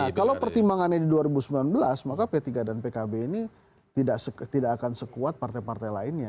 nah kalau pertimbangannya di dua ribu sembilan belas maka p tiga dan pkb ini tidak akan sekuat partai partai lainnya